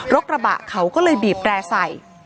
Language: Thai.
กระบะเขาก็เลยบีบแร่ใส่